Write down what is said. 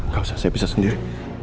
gak usah saya bisa sendiri